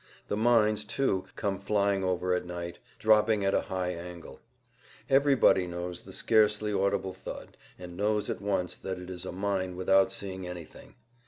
The mines, too, come flying over at night, dropping at a high angle. Everybody knows the scarcely audible thud, and knows at once that it is a mine without seeing anything.